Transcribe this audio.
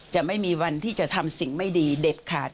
จะไม่มีวันที่จะทำสิ่งไม่ดีเด็ดขาด